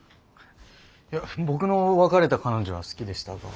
いや僕の別れた彼女は好きでしたが。